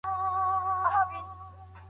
څوک د اسعارو د بیو د ثبات مسوولیت پر غاړه لري؟